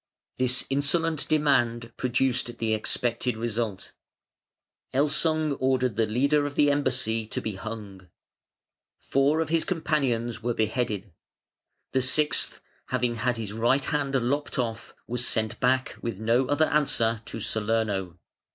This insolent demand produced the expected result. Elsung ordered the leader of the embassy to be hung. Four of his companions were beheaded. The sixth, having had his right hand lopped off, was sent back with no other answer to Salerno.